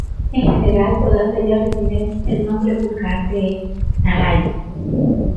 En general todas ellas reciben el nombre vulgar de "taray".